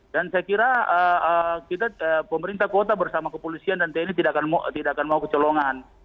dan saya kira pemerintah kota bersama kepolisian dan tni tidak akan mau kecolongan